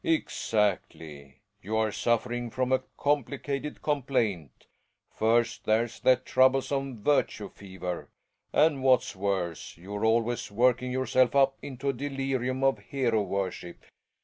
Reliving. Exactly. You are suffering from a compli cated complaint First, there's that troublesome THE WILD DUCK. 121 virtue fever; and wbat'8 worse, you*re always working^ yourself up into a delirium of hero worship.